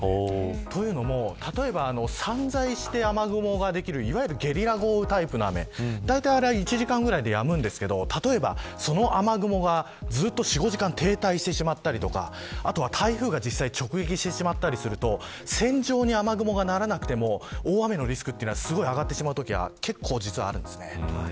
というのも、例えば散在して雨雲ができるいわゆるゲリラ豪雨タイプの雨大体１時間ぐらいでやむんですが例えばその雨雲がずっと５時間停滞してしまったりとか台風が実際に直撃されたりすると線状に雨雲がならなくても大雨のリスクは上がってしまうことがあります。